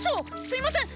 すいません！